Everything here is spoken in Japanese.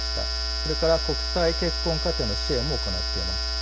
それから国際結婚家庭への支援も行っています。